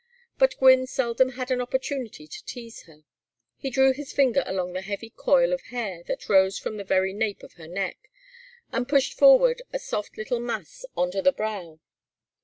But Gwynne seldom had an opportunity to tease her. He drew his finger along the heavy coil of hair that rose from the very nape of her neck and pushed forward a soft little mass on to the brow.